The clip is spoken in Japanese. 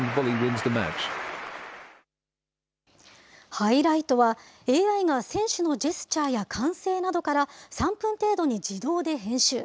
ハイライトは、ＡＩが選手のジェスチャーや歓声などから３分程度に自動で編集。